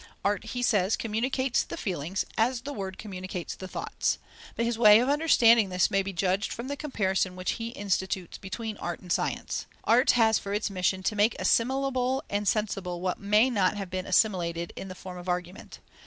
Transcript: Art, he says, communicates the feelings, as the word communicates the thoughts. But his way of understanding this may be judged from the comparison which he institutes between Art and Science. According to this, "Art has for its mission to make assimilable and sensible what may not have been assimilated in the form of argument.